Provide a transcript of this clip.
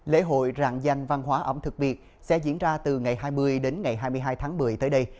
lễ hội rạng danh văn hóa ẩm thực việt sẽ diễn ra từ ngày hai mươi đến ngày hai mươi hai tháng một mươi tới đây